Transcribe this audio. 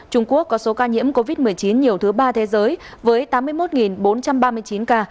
trung quốc có số ca nhiễm covid một mươi chín nhiều thứ ba thế giới với tám mươi một bốn trăm ba mươi chín ca